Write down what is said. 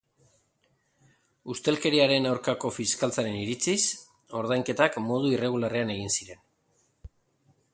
Ustelkeriaren aurkako fiskaltzaren iritziz, ordainketak modu irregularrean egin ziren.